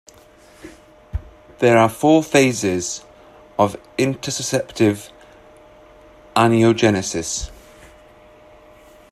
There are four phases of intussusceptive angiogenesis.